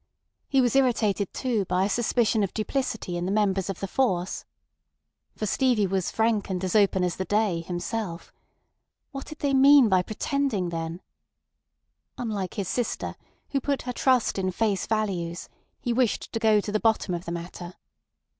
He was irritated, too, by a suspicion of duplicity in the members of the force. For Stevie was frank and as open as the day himself. What did they mean by pretending then? Unlike his sister, who put her trust in face values, he wished to go to the bottom of the matter.